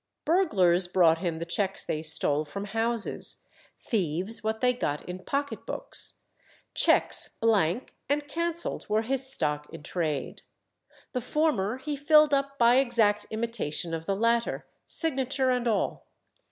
Burglars brought him the cheques they stole from houses, thieves what they got in pocket books. Cheques blank and cancelled were his stock in trade. The former he filled up by exact imitation of the latter, signature and all.